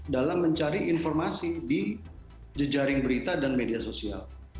dalam mencari informasi di jejaring berita dan media sosial